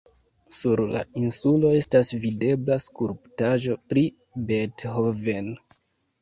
Sur la insulo estas videbla skulptaĵo pri Beethoven.